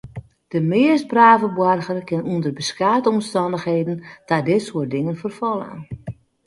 De meast brave boarger kin ûnder beskate omstannichheden ta dit soart dingen ferfalle.